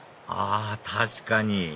あ確かに！